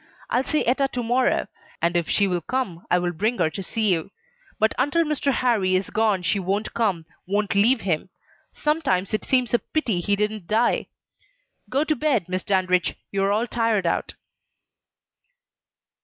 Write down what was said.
I'll see Etta to morrow, and if she will come I will bring her to see you. But until Mr. Harrie is gone she won't come won't leave him. Sometimes it seems a pity he didn't die. Go to bed, Miss Dandridge! you are all tired out."